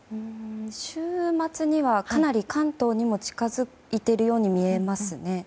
週末にはかなり関東にも近づいているようにも見えますね。